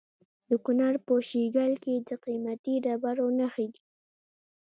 د کونړ په شیګل کې د قیمتي ډبرو نښې دي.